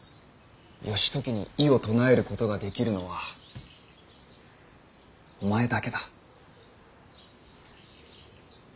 義時に異を唱えることができるのはお前だけだ。